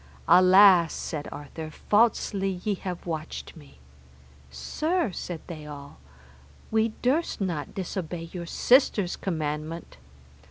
Alas, said Arthur, falsely ye have watched me. Sir, said they all, we durst not disobey your sister's commandment.